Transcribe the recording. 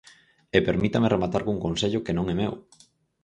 E permítame rematar cun consello que non é meu.